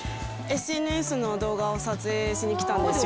ＳＮＳの動画を撮影しに来たんですよ。